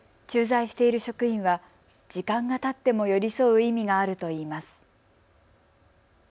駐在している職員は時間がたっても寄り添う意味があるといいます。